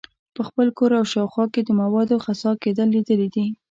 په خپل کور او شاوخوا کې د موادو خسا کیدل لیدلي دي.